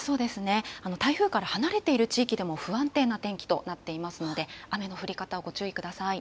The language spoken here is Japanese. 台風から離れているところも不安定な天気になっていますので雨の降り方、ご注意ください。